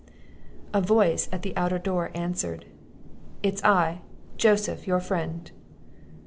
A voice at the outer door answered, "It's I; Joseph, your friend!"